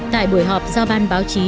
tại buổi họp do ban báo chí